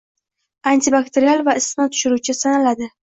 Antibakterial va isitma tushiruvchi sanaladi.